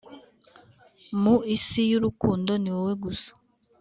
mu isi y’urukundo ni wowe gusa